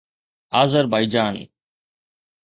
Azerbaijan